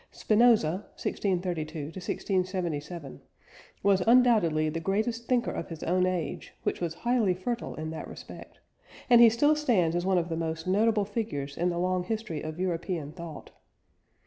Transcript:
Spinoza (1632 1677) was undoubtedly the greatest thinker of his own age, which was highly fertile in that respect, and he still stands as one of the most notable figures in the long history of European thought.